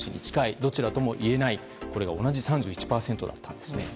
どちらとも言えないこれが同じ３１％だったんです。